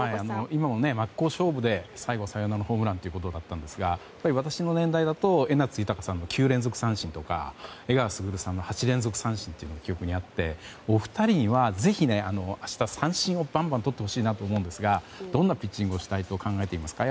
今も真っ向勝負で最後サヨナラホームランということでしたがやっぱり私の年代だと江夏豊さんの９連続三振とか、江川卓さんの８連続三振が記憶にあってお二人にはぜひ明日三振をバンバンとってほしいと思うんですがどんなピッチングをしたいと考えていますか？